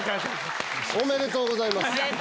おめでとうございます。